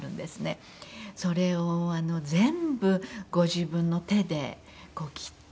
それを全部ご自分の手で切って。